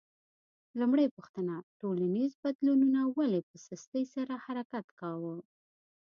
لومړۍ پوښتنه: ټولنیزو بدلونونو ولې په سستۍ سره حرکت کاوه؟